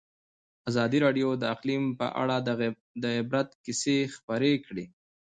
ازادي راډیو د اقلیم په اړه د عبرت کیسې خبر کړي.